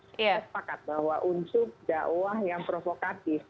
saya sepakat bahwa untuk dakwah yang provokatif